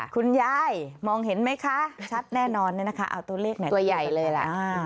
คุณยายมองเห็นไหมคะชัดแน่นอนเนี่ยนะคะเอาตัวเลขไหนตัวใหญ่เลยล่ะ